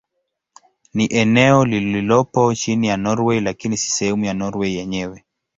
Ni eneo lililopo chini ya Norwei lakini si sehemu ya Norwei yenyewe.